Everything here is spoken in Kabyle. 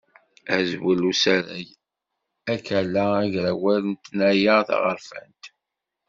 Azwel usarag: Akala agrawal d tnaya taɣerfant.